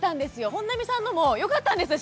本並さんのもよかったんですよ